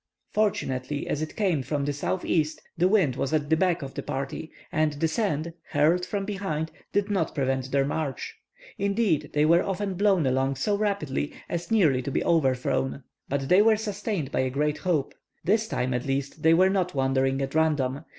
Fortunately, as it came from the southeast, the wind was at the back of the party, and the sand, hurled from behind, did not prevent their march. Indeed, they were often blown along so rapidly as nearly to be overthrown. But they were sustained by a great hope. This time, at least, they were not wandering at random.